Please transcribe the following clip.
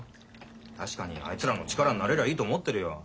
確かにあいつらの力になれりゃいいと思ってるよ。